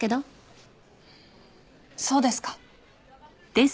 そうですか。